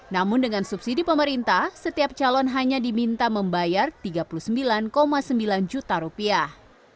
namun dengan subsidi pemerintah setiap calon hanya diminta membayar tiga puluh sembilan sembilan juta rupiah